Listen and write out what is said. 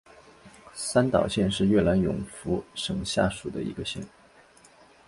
三岛县是越南永福省下辖的一个县。